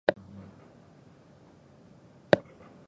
お前がわるい